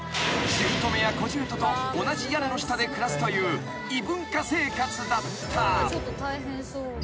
［姑や小じゅうとと同じ屋根の下で暮らすという異文化生活だった］